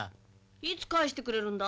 「いつ返してくれるんだ？」